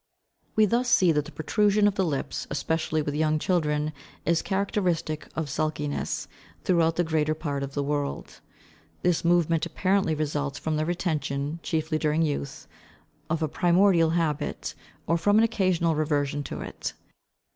We thus see that the protrusion of the lips, especially with young children, is characteristic of sulkiness throughout the greater part of the world. This movement apparently results from the retention, chiefly during youth, of a primordial habit, or from an occasional reversion to it.